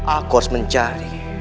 aku harus mencari